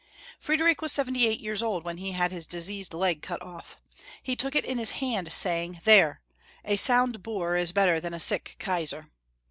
Friedrich was seventy eight years old when he Friedrieh lU. 26? had hi3 diseased leg cut off. He tctok it in his hand, saying, " There ! a sound boor is better than a sick Kaosar."